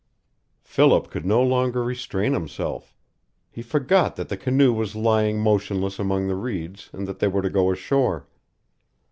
Philip could no longer restrain himself. He forgot that the canoe was lying motionless among the reeds and that they were to go ashore.